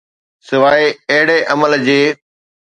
سواءِ اهڙي عمل جي.